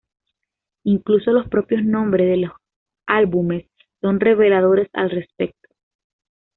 Incluso los propios nombres de los álbumes son reveladores al respecto.